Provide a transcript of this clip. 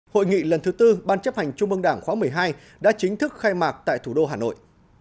hội nghị lần thứ tư ban chấp hành trung mương đảng khóa một mươi hai đã chính thức khai mạc tại thủ đô hà nội